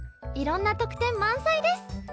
いろんな特典満載です。